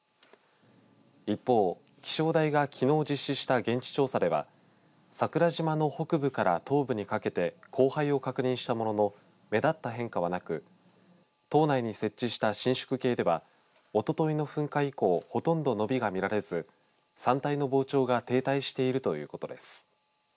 一方、気象台がきのう実施した現地調査では桜島の北部から東部にかけて降灰を確認したものの目立った変化はなく島内に設置した伸縮計では、おとといの噴火以降ほとんど伸びが見られず山体の膨張が停滞してるということです。